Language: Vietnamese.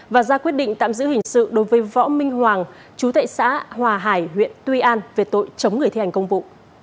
và ra quyết định tạm giữ hình sự đối với võ minh hoàng chú tệ xã hòa hải huyện tuy an về tội chống người thi hành công vụ